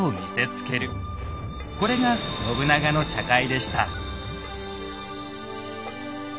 これが信長の茶会でした。